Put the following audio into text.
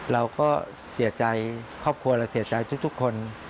เราก็เสียใจครอบครัวเราเสียใจทุกคน